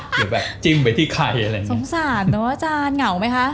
หรือแบบจิ้มไปที่ไข่สงสารน้องอาจารย์เหงาไหมคะ